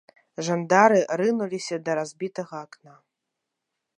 Жандары рынуліся да разбітага акна.